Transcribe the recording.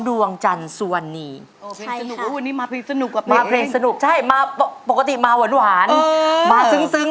ด้วยตัวฉันเอง